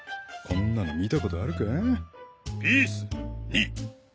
こんなの見たことあるか？